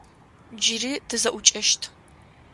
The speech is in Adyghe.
Джыри тызэӏукӏэщт.